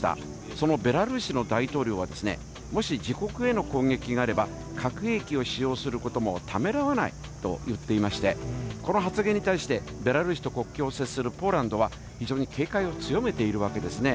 そのベラルーシの大統領は、もし自国への攻撃があれば、核兵器を使用することもためらわないと言っていまして、この発言に対して、ベラルーシと国境を接するポーランドは、非常に警戒を強めているわけですね。